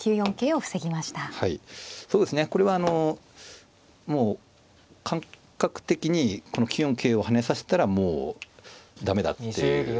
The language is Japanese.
これはあのもう感覚的にこの９四桂を跳ねさせたらもう駄目だっていう。